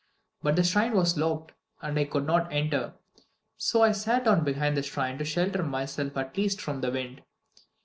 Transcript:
But the shrine was locked, and I could not enter. So I sat down behind the shrine to shelter myself at least from the wind.